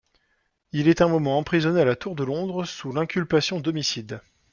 Il est un moment emprisonné à la Tour de Londres sous l'inculpation d'homicide.